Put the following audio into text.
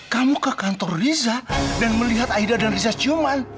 kamu ke kantor riza dan melihat aida dan riza ciuman